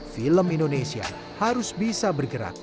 film indonesia harus bisa bergerak